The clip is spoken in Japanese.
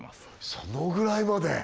そのぐらいまで！